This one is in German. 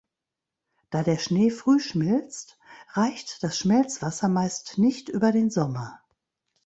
Da der Schnee früh schmilzt, reicht das Schmelzwasser meist nicht über den Sommer.